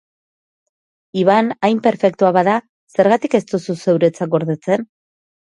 Iban hain perfektua bada, zergatik ez duzu zeuretzat gordetzen?